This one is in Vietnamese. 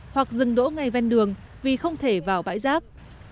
hoặc dừng đỗ ngay ven đường vì không thể vào bãi rác